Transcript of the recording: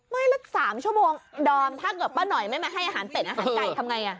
ไม่แล้ว๓ชั่วโมงดอมถ้าเกิดป้าหน่อยไม่มาให้อาหารเป็ดอาหารไก่ทำไง